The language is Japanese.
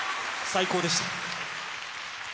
最高でした。